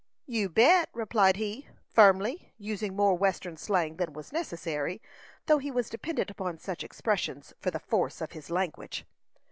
"You bet!" replied he, firmly, using more western slang than was necessary, though he was dependent upon such expressions for the force of his language.